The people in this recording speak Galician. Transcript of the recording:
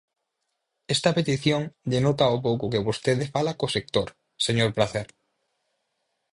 Esta petición denota o pouco que vostede fala co sector, señor Pracer.